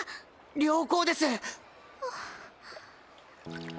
良好です！